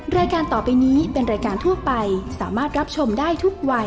รายการต่อไปนี้เป็นรายการทั่วไปสามารถรับชมได้ทุกวัย